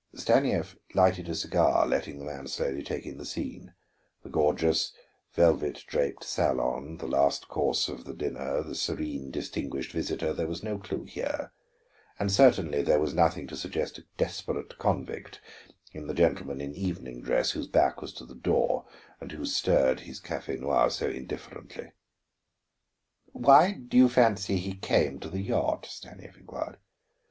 Stanief lighted a cigar, letting the man slowly take in the scene. The gorgeous, velvet draped salon, the last course of the dinner, the serene "distinguished visitor," there was no clue here. And certainly there was nothing to suggest a desperate convict in the gentleman in evening dress whose back was to the door, and who stirred his café noir so indifferently. "Why did you fancy he came to the yacht?" Stanief inquired.